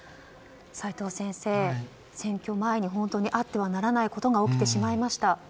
齋藤先生、選挙前に本当にあってはならないことが起きてしまいました。